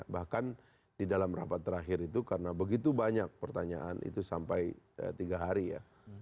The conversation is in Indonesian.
bahkan di dalam rapat terakhir itu karena begitu banyak pertanyaan itu sampai tiga hari ya